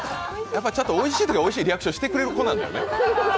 やっぱりおいしいときは、おいしいリアクションしてくれる子なんや。